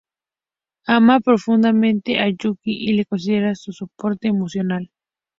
Ama profundamente a Yūki y le considera su soporte emocional.